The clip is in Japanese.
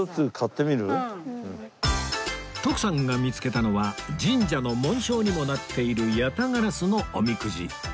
徳さんが見つけたのは神社の紋章にもなっている八咫烏のおみくじ